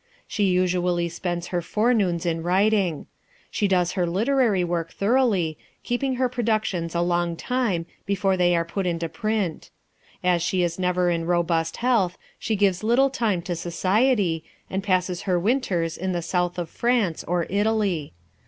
She usually spends her forenoons in writing. She does her literary work thoroughly, keeping her productions a long time before they are put into print. As she is never in robust health, she gives little time to society, and passes her winters in the South of France or Italy.